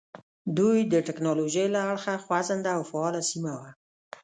دوی د ټکنالوژۍ له اړخه خوځنده او فعاله سیمه وه.